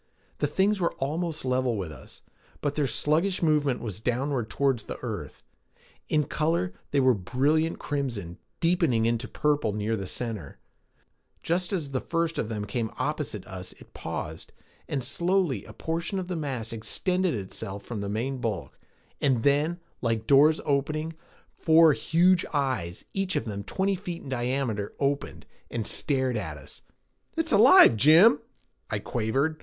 The things were almost level with us, but their sluggish movement was downward toward the earth. In color, they were a brilliant crimson, deepening into purple near the center. Just as the first of them came opposite us it paused, and slowly a portion of the mass extended itself from the main bulk; and then, like doors opening, four huge eyes, each of them twenty feet in diameter, opened and stared at us. "It's alive, Jim," I quavered.